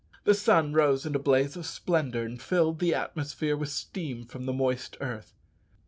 The sun rose in a blaze of splendour, and filled the atmosphere with steam from the moist earth.